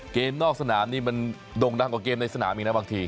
นอกสนามนี่มันด่งดังกว่าเกมในสนามอีกนะบางที